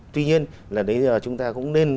tuy nhiên là đến giờ chúng ta cũng nên